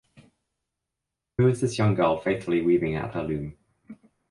Who is this young girl faithfully weaving at her loom?